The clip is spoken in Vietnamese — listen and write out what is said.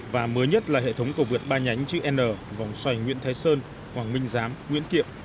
và mới nhất là hệ thống cầu vượt ba nhánh chữ n vòng xoay nguyễn thái sơn hoàng minh giám nguyễn kiệm